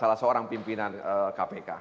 salah seorang pimpinan kpk